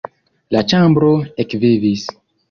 La ĉambro ekvivis.